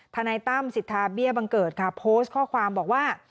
ทนายตั้มสิทธาเบี้ยบังเกิดค่ะโพสต์ข้อความบอกว่า